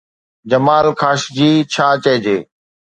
جمال Khashoggi, ڇا چئجي؟